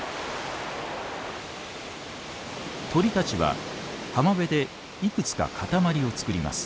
鳥たちは浜辺でいくつか塊を作ります。